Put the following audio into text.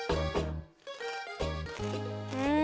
うん！